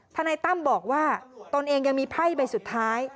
นายตั้มบอกว่าตนเองยังมีไพ่ใบสุดท้าย